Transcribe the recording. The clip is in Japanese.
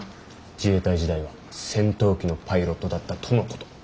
自衛隊時代は戦闘機のパイロットだったとのこと。